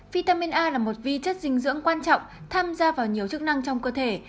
vitamin a là một vi chất dinh dưỡng quan trọng tham gia vào nhiều chức năng trong cơ thể